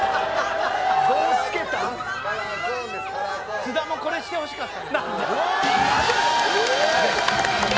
津田もこれしてほしかった。